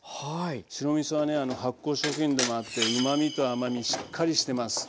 白みそはね発酵食品でもあってうまみと甘みしっかりしてます。